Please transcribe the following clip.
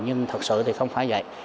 nhưng thật sự thì không phải vậy